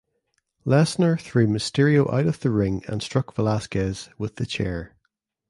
Lesnar threw Mysterio out of the ring and struck Velasquez with the chair.